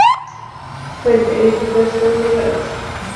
Fuente: Diputación de Palencia